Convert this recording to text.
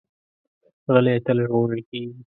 غلی، تل ژغورل کېږي.